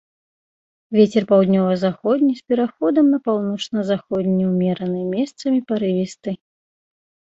Вецер паўднёва-заходні з пераходам на паўночна-заходні ўмераны, месцамі парывісты.